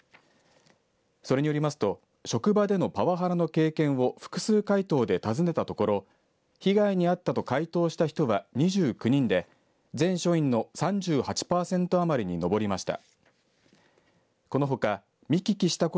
それによりますと職場でのパワハラの経験を複数回答で尋ねたところ被害に遭ったと回答した人は２９人で全署員の３８パーセント余りに上りました。